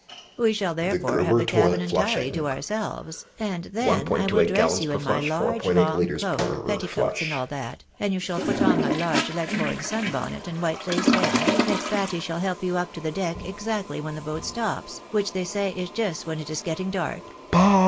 We shall therefore have the cabin entirely to our selves, and then I will dress you i» roy large long cloak, petticoats. A TLAV[ FOR ESCAPE. 299 and all that, and you shall put on my large Leghorn sun bonnet and white lace veil, and Patty shall help you up to the deck exactly when the boat stops, which they say is just when it is getting dark.